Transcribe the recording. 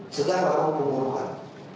setelah melakukan pengurusan